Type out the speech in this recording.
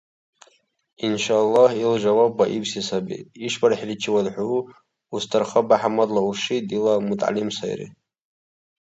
Иншааллагь, ил жаваб баибси саби: ишбархӀиличивад хӀу, Устарха БяхӀяммадла урши, дила мутагӀялим сайри.